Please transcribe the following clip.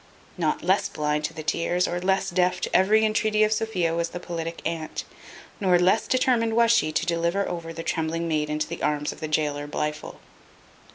Not less blind to the tears, or less deaf to every entreaty of Sophia was the politic aunt, nor less determined was she to deliver over the trembling maid into the arms of the gaoler Blifil.